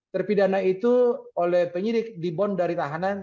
terpidana itu oleh penyidik dibon dari tahanan